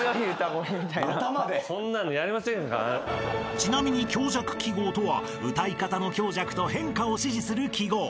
［ちなみに強弱記号とは歌い方の強弱と変化を指示する記号］